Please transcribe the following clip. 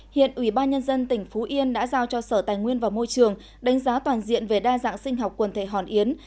hiện ủy ban nhân dân tỉnh phú yên đã giao cho sở tài nguyên và môi trường đánh giá toàn diện về đa dạng sinh học quần thể hòn yến